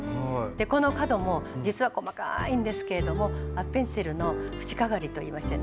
この角も実は細かいんですけれどもアッペンツェルの縁かがりといいましてね